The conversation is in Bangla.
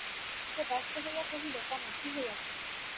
সে ব্যস্ত হইয়া কহিল, কেন, কী হইয়াছে?